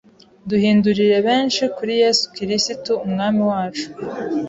duhindurire benshi kuri Yesu Kirisitu Umwami wacu.